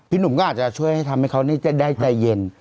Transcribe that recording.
หนุ่มก็อาจจะช่วยให้ทำให้เขาจะได้ใจเย็น